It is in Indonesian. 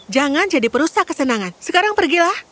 jangan jadi perusa kesenangan sekarang pergilah